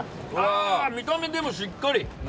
見た目しっかり。